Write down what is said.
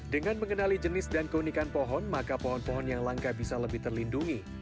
dengan mengenali jenis dan keunikan pohon maka pohon pohon yang langka bisa lebih terlindungi